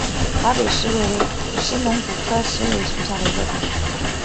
华北石韦为水龙骨科石韦属下的一个种。